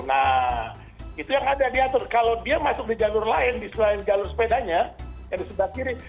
nah itu yang ada diatur kalau dia masuk di jalur lain di selain jalur sepedanya yang di sebelah kiri